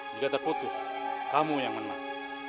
jika terputus kamu yang menang